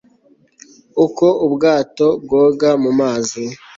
uko ubwato bwoga mu mazi